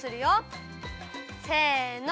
せの！